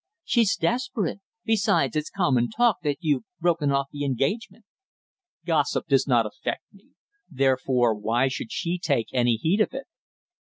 "She's desperate. Besides, it's common talk that you've broken off the engagement." "Gossip does not affect me; therefore why should she take any heed of it?"